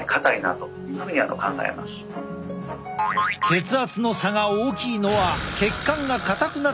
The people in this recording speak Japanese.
血圧の差が大きいのは血管が硬くなっているサイン。